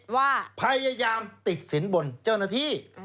ว่าพยายามติดสินบนเจ้าหน้าที่